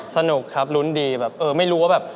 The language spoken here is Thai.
สนุกครับลุ้นดีแบบเออไม่รู้ว่าแบบ